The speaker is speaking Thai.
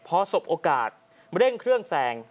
พอสบโอกาสเร่งเครื่องแซง